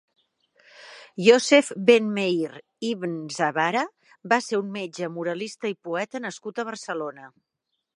Iossef ben Meïr ibn Zabara va ser un metge, moralista i poeta nascut a Barcelona.